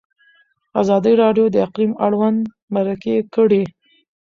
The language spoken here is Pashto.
ازادي راډیو د اقلیم اړوند مرکې کړي.